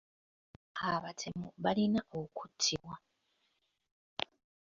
Abatemu balina okuttibwa.